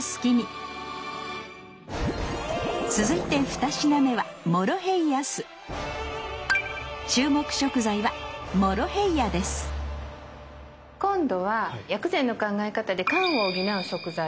続いて２品目は注目食材はモロヘイヤです今度は薬膳の考え方で「肝」を補う食材になります。